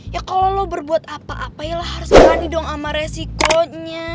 ya kalo lo berbuat apa apain lah harus berani dong sama resikonya